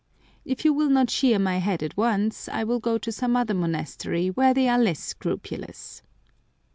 If you will not shear my head at once, I will go to some other monastery where they are less scrupulous."